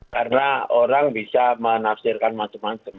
karena orang bisa menafsirkan macam macam